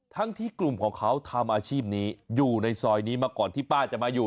ทั้งที่กลุ่มของเขาทำอาชีพนี้อยู่ในซอยนี้มาก่อนที่ป้าจะมาอยู่